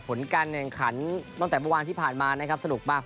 ผลการแนนไวน์ขัมตั้งแต่วันที่ผ่านมานะครับสนุกมาก